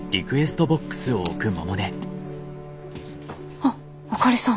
あっあかりさん。